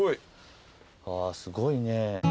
あすごいね。